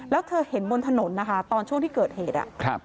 แล้วเธอเห็นบนถนนนะคะตอนช่วงที่เกิดเหตุ